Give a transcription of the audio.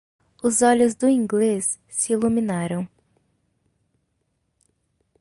Os olhos do inglês se iluminaram.